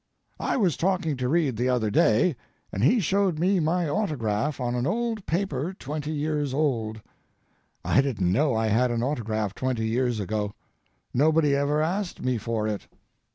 I was talking to Reid the other day, and he showed me my autograph on an old paper twenty years old. I didn't know I had an autograph twenty years ago. Nobody ever asked me for it.